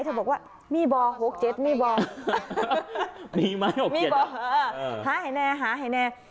เธอบอกว่ามีบอหกเจ็ดมีบอมีไหมหกเจ็ดเออหาแหน่หาแหน่